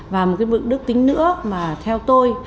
và một cái bực đức tính nữa mà theo tôi